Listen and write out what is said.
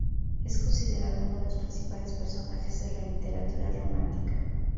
Es considerado uno de los principales personajes de la literatura romántica.